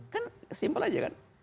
kan simpel aja kan